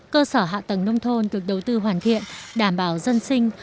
cơ sở hạ tầng nông thôn được đầu tư hoàn thiện đảm bảo dân sinh